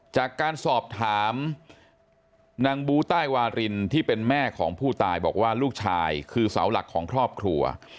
จากการสอบถามนางบูใต้วารินที่เป็นแม่ของผู้ตายบอกว่าลูกชายคือเสาหลักของครอบครัว